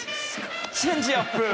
チェンジアップ。